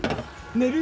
寝る？